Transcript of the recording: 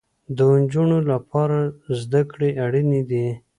د انجونو لپاره زده کړې اړينې دي